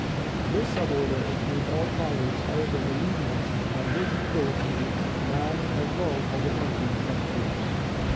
This suborder includes all primates other than the lemurs and this of course means man as well as the monkeys and apes.